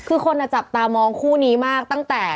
คือคนจับตามองคู่นี้มากตั้งแต่